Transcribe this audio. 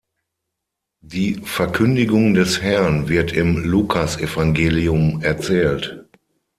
Die Verkündigung des Herrn wird im Lukasevangelium erzählt.